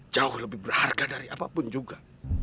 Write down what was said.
jauh lebih berharga dari apapun juga